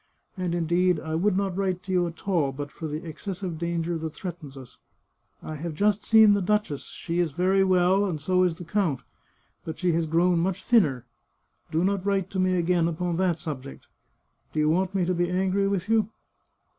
And, indeed, I would not write to you at all but for the excessive danger that threatens us. I have just seen the duchess; she is 352 The Chartreuse of Parma very well, and so is the count. But she has gfrown much thinner. Do not write to me again upon that subject. Do you want me to be angry with you